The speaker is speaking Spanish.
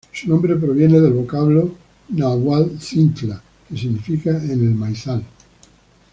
Su nombre proviene del vocablo náhuatl "Cin-tla", que significa ""En el maizal"".